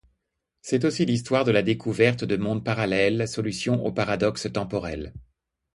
C'est aussi l'histoire de la découverte de mondes parallèles, solution aux paradoxes temporels.